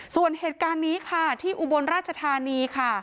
ส่วนเหตุการณ์นี้ค่ะที่อุบลราชธานีค่ะ